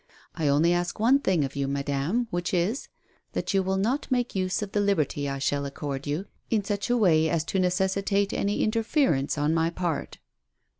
I only ask one thing of you, madame, which is, that you will not make use of the liberty I shall accord you in such a way as to necessitate any interference on my part."